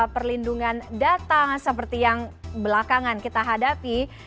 perlindungan data seperti yang belakangan kita hadapi